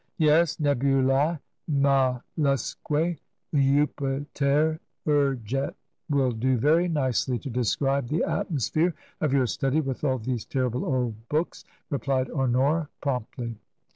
"Yes! * NebulcB malusque Juppiter urget^ will do very nicely to describe the atmosphere of your study with all these terrible old books," replied Honora, promptly.